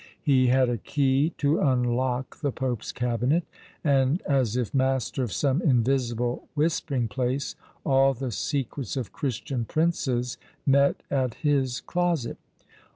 He had a key to unlock the pope's cabinet; and, as if master of some invisible whispering place, all the secrets of Christian princes met at his closet.